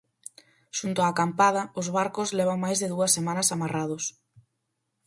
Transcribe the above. Xunto á acampada, os barcos levan máis de dúas semanas amarrados.